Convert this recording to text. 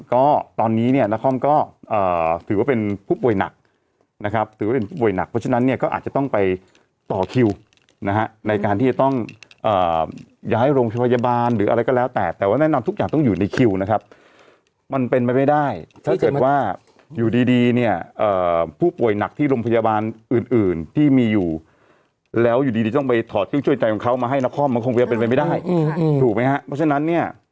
ก็ตอนนี้เนี่ยนักคล่อมก็ถือว่าเป็นผู้ป่วยหนักนะครับถือว่าเป็นผู้ป่วยหนักเพราะฉะนั้นเนี่ยก็อาจจะต้องไปต่อคิวนะฮะในการที่จะต้องย้ายโรงพยาบาลหรืออะไรก็แล้วแต่แต่ว่าแนะนำทุกอย่างต้องอยู่ในคิวนะครับมันเป็นไปไม่ได้ถ้าเกิดว่าอยู่ดีเนี่ยผู้ป่วยหนักที่โรงพยาบาลอื่นที่มีอยู่แล้วอยู่ดี